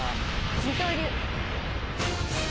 二刀流。